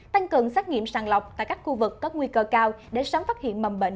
tăng cường xét nghiệm sàng lọc tại các khu vực có nguy cơ cao để sớm phát hiện mầm bệnh